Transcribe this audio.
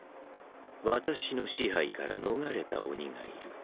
私の支配から逃れた鬼がいる。